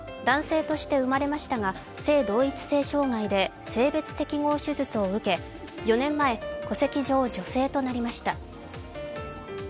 男性として生まれましたが性同一性障害で性別適合手術を受け、４年前、戸籍上女性となりました。